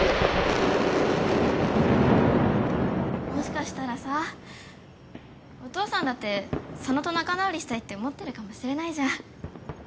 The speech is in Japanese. もしかしたらさお父さんだって佐野と仲直りしたいって思ってるかもしれないじゃん。